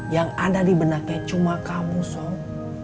yang ada di benaknya cuma kamu song